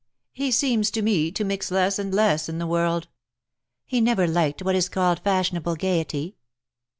"He seems to me to mix less and less in the world." "He never liked what is called fashionable gaiety."